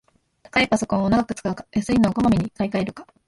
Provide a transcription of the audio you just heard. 高いパソコンを長く使うか、安いのをこまめに買いかえるか